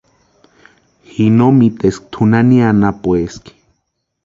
Ji no miteska tʼu nani anapueski.